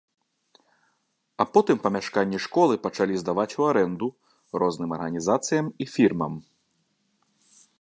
А потым памяшканні школы пачалі здаваць у арэнду розным арганізацыям і фірмам.